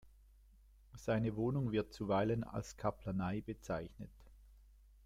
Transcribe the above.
Seine Wohnung wird zuweilen als „Kaplanei“ bezeichnet.